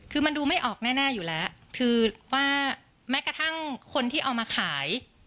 คือมันดูไม่ออกแน่อยู่แล้วคือว่าแม้กระทั่งคนที่เอามาขาย